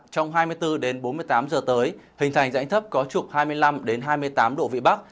trong hai mươi bốn đến bốn mươi tám giờ tới hình thành dãy thấp có trục hai mươi năm hai mươi tám độ vị bắc